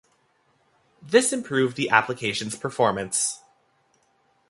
This improved the application's performance.